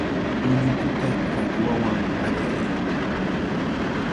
Ullukuta rakwawan allay.